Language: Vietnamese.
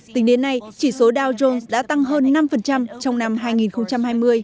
tính đến nay chỉ số dow jones đã tăng hơn năm trong năm hai nghìn hai mươi